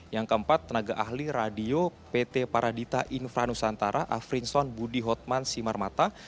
yang keempat tenaga ahli radio pt paradita infranusantara afrinson budi hotman simarmata